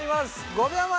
５秒前。